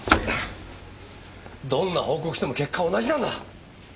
どんな報告しても結果は同じなんだ！